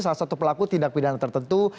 salah satu pelaku tindak pidana tertentu